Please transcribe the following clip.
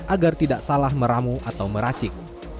agar tidak salah meramu atau meracik